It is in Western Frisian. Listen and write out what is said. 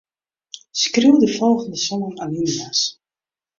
Skriuw de folgjende sân alinea's.